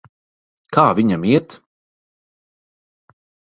Kā viņam iet?